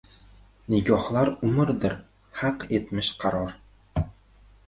Nigohlar umridir… haq etmish qaror.